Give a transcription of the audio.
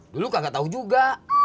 dulu kagak tau juga